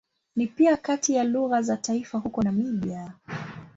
Ni pia kati ya lugha za taifa huko Namibia.